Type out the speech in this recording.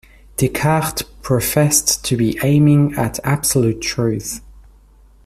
Descartes professed to be aiming at absolute Truth.